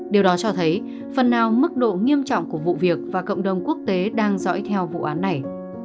điều đó cho thấy phần nào mức độ nghiêm trọng của vụ việc và cộng đồng quốc tế đang dõi theo vụ án này